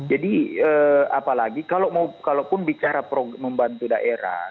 jadi apalagi kalau mau kalaupun bicara membantu daerah